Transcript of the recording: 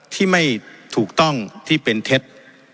ที่ไม่ถูกต้องที่เป็นเท็จ